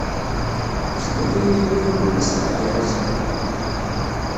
Tezga tayri-nni am umassaɣ gar-asen.